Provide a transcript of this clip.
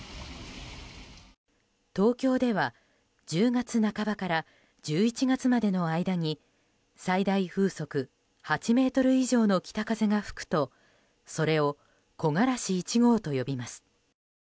東京では１０月半ばから１１月までの間に最大風速８メートル以上の北風が吹くとそれを木枯らし１号と呼びます。